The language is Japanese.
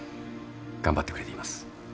頑張ってくれています。